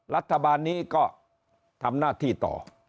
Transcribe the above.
รัฐบาลนี้ก็ทำหน้าที่ต่อ